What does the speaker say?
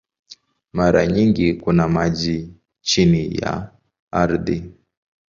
Mara nyingi kuna maji chini ya ardhi.